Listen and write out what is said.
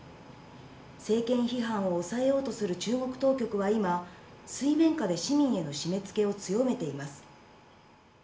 政権批判を抑えようとする中国当局は今、水面下で市民への締めつけを強めています。